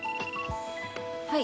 はい。